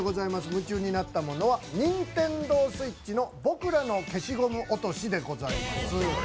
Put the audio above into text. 夢中になったものはＮｉｎｔｅｎｄｏＳｗｉｔｃｈの「ボクらの消しゴム落とし」でございます。